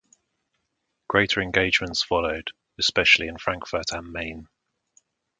Greater engagements followed, especially in Frankfurt am Main.